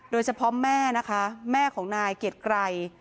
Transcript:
โดยเฉพาะแม่นะคะแม่ของนายเกียรติไกร